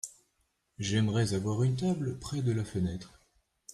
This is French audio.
J'aimerais avoir une table près de la fenêtre.